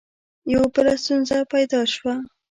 یوه بله ستونزه پیدا شوه.